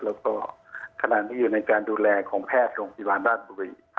แล้วก็ขณะนี้อยู่ในการดูแลของแพทย์โรงพยาบาลราชบุรี